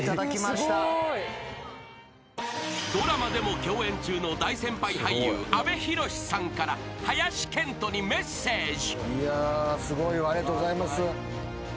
［ドラマでも共演中の大先輩俳優阿部寛さんから林遣都にメッセージ］